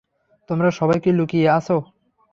তোমরা সবাই কি লুকিয়ে আছো?